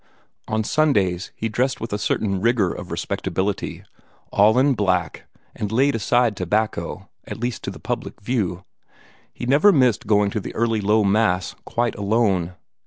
On Sundays he dressed with a certain rigor of respectability, all in black, and laid aside tobacco, at least to the public view. He never missed going to the early Low Mass, quite alone.